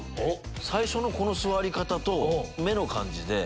最初のこの座り方と目の感じで。